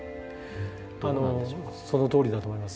あのそのとおりだと思います。